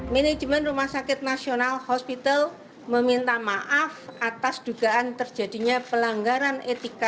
manajemen rumah sakit nasional hospital meminta maaf atas dugaan terjadinya pelanggaran etika